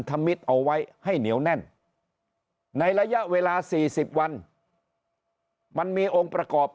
ธมิตรเอาไว้ให้เหนียวแน่นในระยะเวลา๔๐วันมันมีองค์ประกอบ